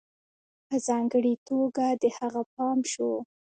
په ځانگړي توگه د هغه پام شو